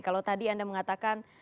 kalau tadi anda mengatakan